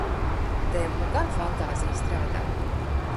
Tev nu gan fantāzija strādā!